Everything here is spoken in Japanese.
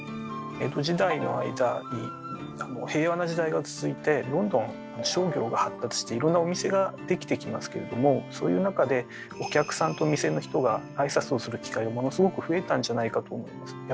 江戸時代の間に平和な時代が続いてどんどん商業が発達していろんなお店ができてきますけれどもそういう中でお客さんとお店の人が挨拶をする機会がものすごく増えたんじゃないかと思います。